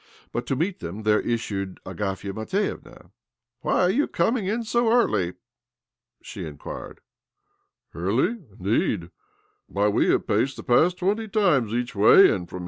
But to meet them,' there Ц issued Agafia Matvievna. :," Why are you coming in so early? " she 5 inquired. i! "Early, indeed? Why, we have paced i the path twenty times each way, and from!